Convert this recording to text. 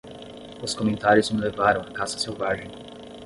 Os comentários me levaram a caça selvagem.